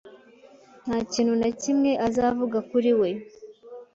Nta kintu na kimwe azavuga kuri we